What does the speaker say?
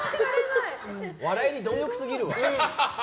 笑いに貪欲すぎるわ。